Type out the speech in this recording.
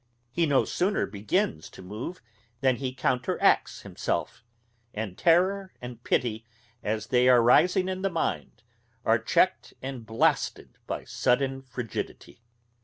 He no sooner begins to move, than he counteracts himself; and terrour and pity, as they are rising in the mind, are checked and blasted by sudden frigidity.